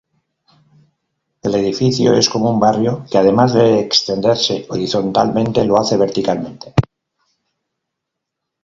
El edificio es como un barrio que además de extenderse horizontalmente, lo hace verticalmente.